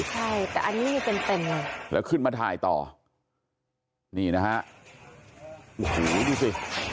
ใช่แต่อันนี้มีเต็มเต็มแล้วขึ้นมาถ่ายต่อนี่นะฮะโอ้โหดูสิ